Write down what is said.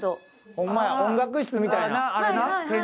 ホンマや、音楽室みたいな。